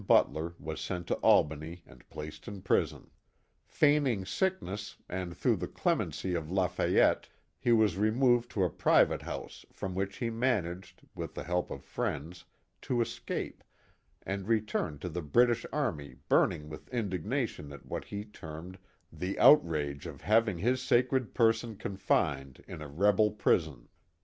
Butler was sent to Albany and placed in prison. Feigning sickness, and through the clemency of Lafayette, he was removed to a pri vate house from which he managed, with the help of friends, to escape, and returned to the British army burning with indig nation at what he termed the outrage of having his sacred person confined in a rebel prison.